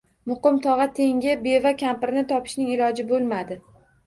Muqim tog`a tengi beva kampirni topishning iloji bo`lmadi